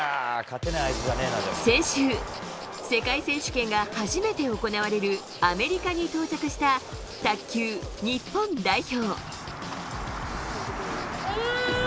先週、世界選手権が初めて行われるアメリカに到着した卓球日本代表。